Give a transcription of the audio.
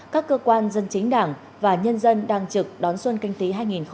các cơ quan dân chính đảng và nhân dân đang trực đón xuân canh tí hai nghìn hai mươi